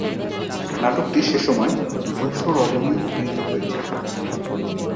নাটকটি সেসময় দু-শো রজনী অভিনীত হয়েছিল।